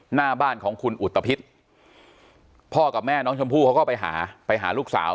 หน้าบ้านของคุณอุตภิษพ่อกับแม่น้องชมพู่เขาก็ไปหาไปหาลูกสาว